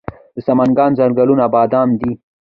د سمنګان ځنګلونه بادام دي